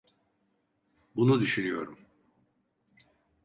Bunu düşünüyorum.